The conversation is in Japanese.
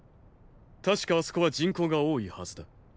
たしかあそこは人口が多いはずだ。